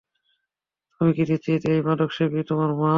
তুমি কি নিশ্চিত এই মাদকসেবী তোমার মা?